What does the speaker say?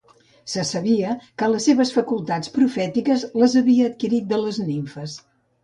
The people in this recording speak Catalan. Se sabia que les seves facultats profètiques les havia adquirit de les nimfes.